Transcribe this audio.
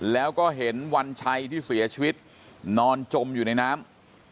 แล้วก็เห็นวัญชัยที่เสียชีวิตนอนจมอยู่ในน้ำ